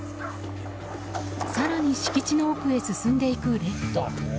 更に敷地への奥へ進んでいくレッド。